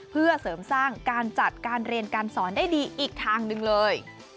เพื่อเสริมสร้างการจัดการเรียนการสอนได้ดีอีกทางหนึ่งเลย